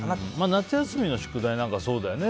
夏休みの宿題なんかそうだよね。